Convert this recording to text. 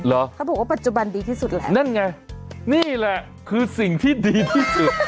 เขาบอกว่าปัจจุบันดีที่สุดแล้วนั่นไงนี่แหละคือสิ่งที่ดีที่สุด